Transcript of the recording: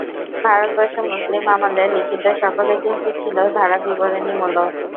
ভারতবর্ষে মুসলিম আমলে লিখিত সকল ইতিহাসই ছিল ধারাবিবরণীমূলক।